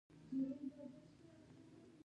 رسوب د افغانستان د انرژۍ سکتور برخه ده.